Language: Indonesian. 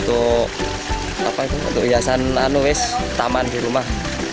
untuk hiasan taman di rumah